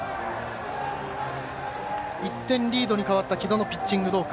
１点リードに変わった城戸のピッチングどうか。